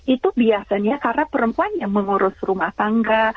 itu biasanya karena perempuan yang mengurus rumah tangga